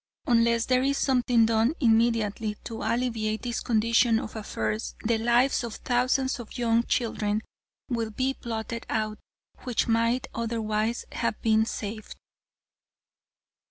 Unless there is something done immediately to alleviate this condition of affairs, the lives of thousands of young children will be blotted out, which might otherwise have been saved."